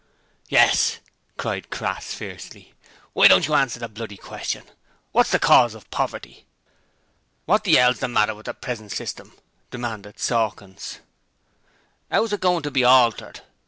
'Yes!' cried Crass, fiercely. 'Why don't you answer the bloody question? Wot's the cause of poverty?' 'What the 'ell's the matter with the present system?' demanded Sawkins. 'Ow's it goin' to be altered?'